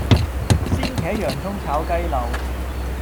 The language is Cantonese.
鮮茄洋蔥炒雞柳